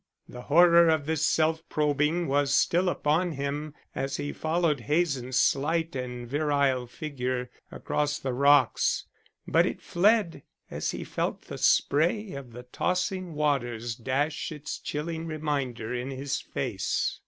The horror of this self probing was still upon him as he followed Hazen's slight and virile figure across the rocks, but it fled as he felt the spray of the tossing waters dash its chilling reminder in his face.